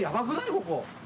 ここ。